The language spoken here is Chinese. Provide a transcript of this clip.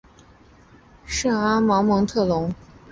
圣阿芒蒙特龙。